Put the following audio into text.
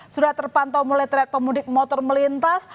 sudah terpantau mulai terlihat pemudik motor melintas